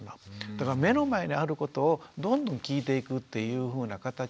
だから目の前にあることをどんどん聞いていくっていうふうな形のね